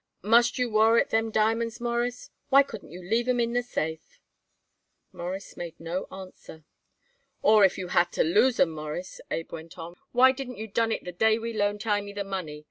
Must you wore it them diamonds, Mawruss? Why couldn't you leave 'em in the safe?" Morris made no answer. "Or if you had to lose 'em, Mawruss," Abe went on, "why didn't you done it the day we loaned Hymie the money?